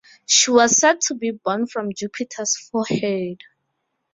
She was said to be born from Jupiter's forehead.